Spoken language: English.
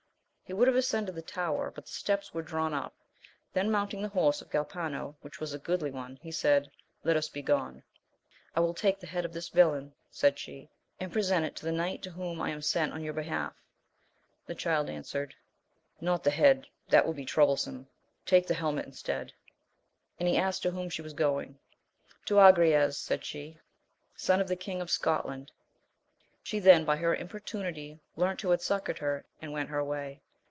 He would have ascended the tower, but the steps were drawn up, then mounting the horse of Galpano which was a goodly one, be said, let us be gone. 1 NrtSi. \»2k^ ^^ \ife^^ <^1 / AMADIS OF GAUL. 43 this villain, said she, and present it to the knight to whom I am sent on your behalf. The Child answered, not the head, that will be troublesome ; take the hel met instead, and he asked to whom she was going. To Agrayes, said she, son of the King of Scotland, she then by her importunity learnt who had succoured her, and went her way.